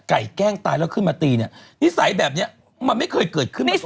แกล้งตายแล้วขึ้นมาตีเนี่ยนิสัยแบบเนี้ยมันไม่เคยเกิดขึ้นมาก่อน